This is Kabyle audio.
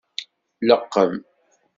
Leqqem.